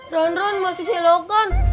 ronron masih celokan